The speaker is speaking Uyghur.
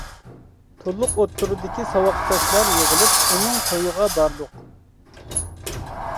تۇللۇق ئوتتۇرىدىكى ساۋاقداشلار يىغىلىپ ئۇنىڭ تويىغا باردۇق.